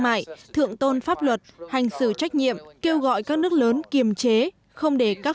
mại thượng tôn pháp luật hành xử trách nhiệm kêu gọi các nước lớn kiềm chế không để các